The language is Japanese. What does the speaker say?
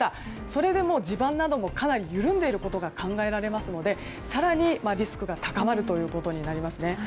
それで地盤などがかなり緩んでいることが考えられるので更にリスクが高まるということになりますね。